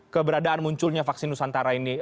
keberadaan munculnya vaksin nusantara ini